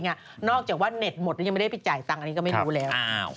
นอกจากว่าเน็ตหมดแล้วยังไม่ได้ไปจ่ายตังค์อันนี้ก็ไม่รู้แล้ว